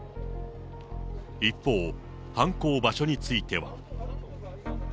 一方、犯行場所については。